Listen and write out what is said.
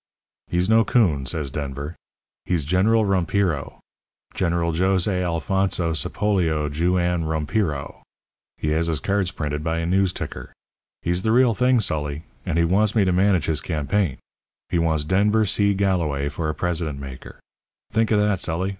"'He's no 'coon,' says Denver. 'He's General Rompiro General Josey Alfonso Sapolio Jew Ann Rompiro he has his cards printed by a news ticker. He's the real thing, Sully, and he wants me to manage his campaign he wants Denver C. Galloway for a president maker. Think of that, Sully!